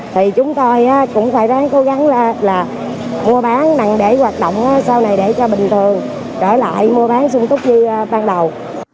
thì chúng tôi cũng phải cố gắng là mua bán nặng để hoạt động sau này để cho bình thường trở lại mua bán sung túc như ban đầu